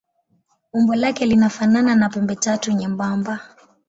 Umbo lake linafanana na pembetatu nyembamba.